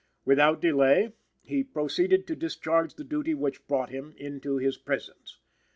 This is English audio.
"Without delay" he "proceeded to discharge the duty which brought" him "into his presence."